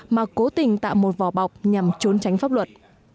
mà cố tình tạo một vỏ bọc nhằm trốn tránh pháp luật